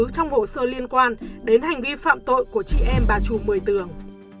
trong hồ sơ liên quan đến hành vi phạm tội của chị em bà chu một mươi tường